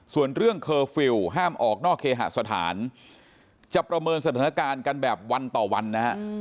ส่วนเรื่องเคอร์ฟิลล์ห้ามออกนอกเคหสถานจะประเมินสถานการณ์กันแบบวันต่อวันนะฮะ